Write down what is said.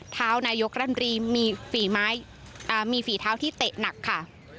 เท้านายยกรัฐมนตรีมีฝีเท้าที่เตะหนักค่ะ